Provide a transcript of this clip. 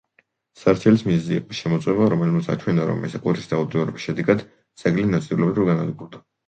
სარჩელის მიზეზი იყო შემოწმება, რომელმაც აჩვენა, რომ მესაკუთრის დაუდევრობის შედეგად ძეგლი ნაწილობრივ განადგურდა.